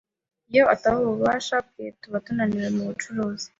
Iyo ataba ubufasha bwe, twaba tunaniwe mubucuruzi.